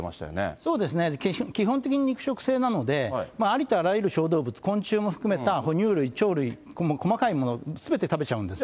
そうですね、基本的に肉食性なので、ありとあらゆる小動物、昆虫も含めた哺乳類、鳥類、細かいものすべて食べちゃうんですね。